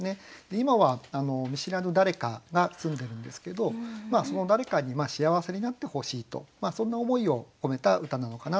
今は見知らぬ誰かが住んでるんですけどその誰かに幸せになってほしいとそんな思いを込めた歌なのかなというふうに思いました。